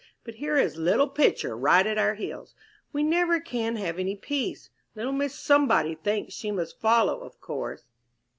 But here is 'little Pitcher' right at our heels. We never can have any peace. Little Miss Somebody thinks she must follow, of course."